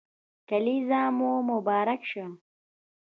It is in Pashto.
کلېزه مو مبارک شه